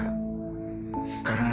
kamu jangan punya pikiran nekat